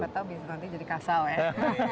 siapa tau bisa nanti jadi kasal ya